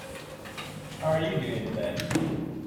How are you doing today?